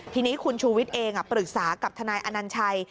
ทีนี้คุณชูวิทย์เองปรึกษากับทนายอนัญชัย